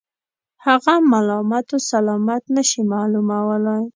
هغه ملامت و سلامت نه شي معلومولای.